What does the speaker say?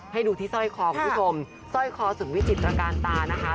ให้ดูที่สร้อยคอคุณผู้ชมสร้อยคอถึงวิจิตรการตานะคะ